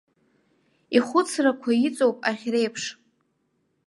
Ихәыцрақәа иҵоуп аӷьреиԥш.